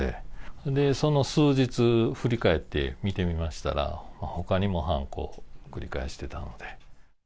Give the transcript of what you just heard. それでその数日、振り返って見てみましたら、ほかにも犯行を繰り返してたので。